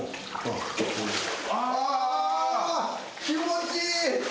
あ気持ちいい！